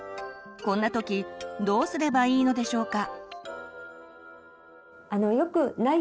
こんな時どうすればいいのでしょうか。